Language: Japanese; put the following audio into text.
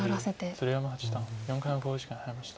鶴山八段４回目の考慮時間に入りました。